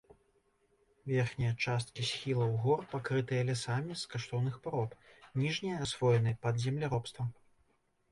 Верхнія часткі схілаў гор пакрытыя лясамі з каштоўных парод, ніжнія асвоены пад земляробства.